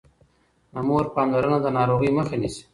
د مور پاملرنه د ناروغۍ مخه نيسي.